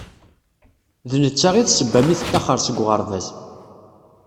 D netta i d-sebba mi tettaxer seg uɣerbaz.